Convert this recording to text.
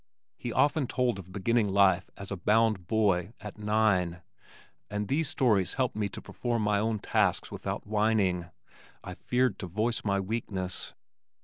He often told of beginning life as a "bound boy" at nine, and these stories helped me to perform my own tasks without whining. I feared to voice my weakness.